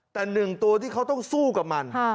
แต่หนึ่งตัวที่เขาต้องสู้กับมัน